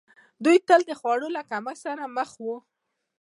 دوی تل د خوړو د کمښت سره مخ وو.